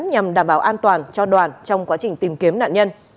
nhằm đảm bảo an toàn cho đoàn trong quá trình tìm kiếm nạn nhân